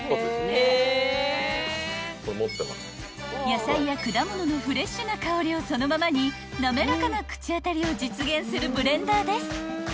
［野菜や果物のフレッシュな香りをそのままに滑らかな口当たりを実現するブレンダーです］